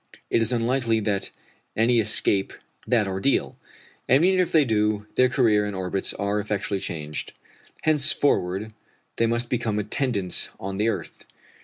It is unlikely that any escape that ordeal, and even if they do, their career and orbit are effectually changed. Henceforward they must become attendants on the earth.